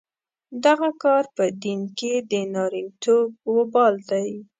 دغه کار په دین کې د نارینتوب وبال دی.